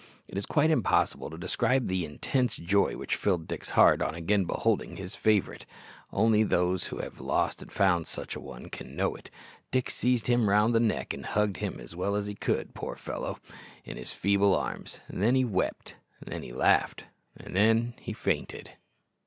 It is quite impossible to describe the intense joy which filled Dick's heart on again beholding his favourite. Only those who have lost and found such an one can know it. Dick seized him round the neck and hugged him as well as he could, poor fellow! in his feeble arms; then he wept, then he laughed, and then he fainted.